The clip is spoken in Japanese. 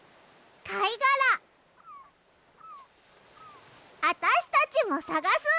かいがらあたしたちもさがす！